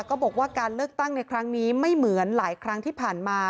ก็บอกว่าการเลือกตั้งในครั้งนี้ไม่เหมือนหลายครั้งที่ผ่านมา